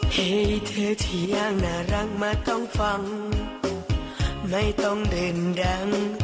เหตุเธอที่ยังน่ารักมาต้องฟังไม่ต้องเด่นดัง